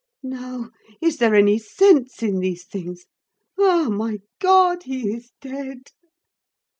Now, is there any sense in these things? Ah! my God! he is dead!